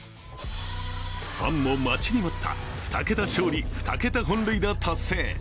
ファンも待ちに待った２桁勝利・２桁本塁打達成。